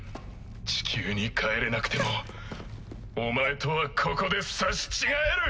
地球に帰れなくてもお前とはここで刺し違える！